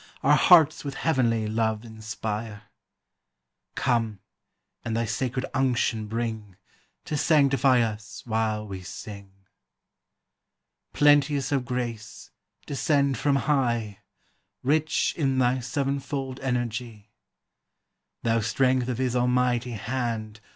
Our hearts with heavenly love inspire; Come, and thy sacred unction bring, To sanctify us while we sing. Plenteous of grace, descend from high, Rich in thy seven fold energy! Thou strength of his almighty hand.